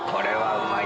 うまい？